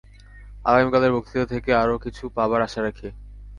আগামীকালের বক্তৃতা থেকে আরও কিছু পাবার আশা রাখি।